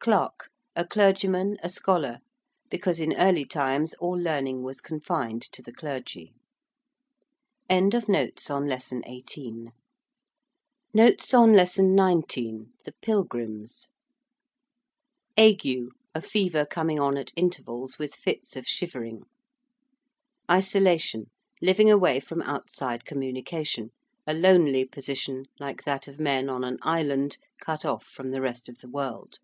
~clerk~: a clergyman, a scholar, because in early times all learning was confined to the clergy. 19. THE PILGRIMS. ~ague~: a fever coming on at intervals, with fits of shivering. ~isolation~: living away from outside communication, a lonely position like that of men on an island cut off from the rest of the world.